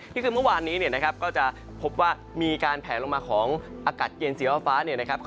นี่คือเมื่อวานนี้เนี่ยนะครับก็จะพบว่ามีการแผลลงมาของอากาศเย็นสีฟ้าเนี่ยนะครับ